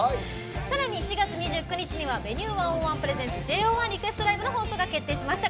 さらに４月２９日は「Ｖｅｎｕｅ１０１ＰｒｅｓｅｎｔｓＪＯ１リクエストＬＩＶＥ」の放送が決定しました。